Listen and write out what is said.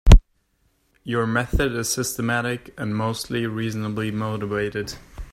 Your method is systematic and mostly reasonably motivated.